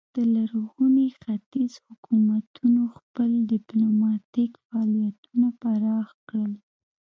د لرغوني ختیځ حکومتونو خپل ډیپلوماتیک فعالیتونه پراخ کړل